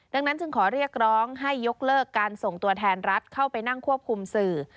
ดังนั้นจึงขอเรียกร้องให้ยกเลิกการส่งตัวแทนรัฐเข้าไปนั่งควบคุมสื่อ